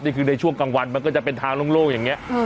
ในช่วงกลางวันมันก็จะเป็นทางโล่งอย่างนี้